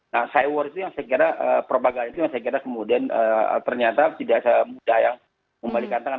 nah cy war itu yang saya kira propaganda itu yang saya kira kemudian ternyata tidak semudah yang membalikan tangan